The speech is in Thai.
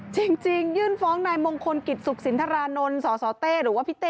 จริงยื่นฟ้องนายมงคลกิจสุขสินทรานนท์สสเต้หรือว่าพี่เต้